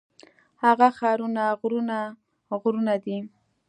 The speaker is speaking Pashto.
هغه ښارونه غرونه غرونه دي.